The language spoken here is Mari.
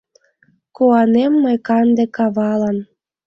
Куанем мый канде кавалан.